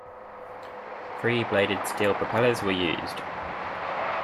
Three-bladed steel propellers were used.